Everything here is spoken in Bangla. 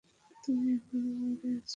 তুমি এখনও মরে আছো।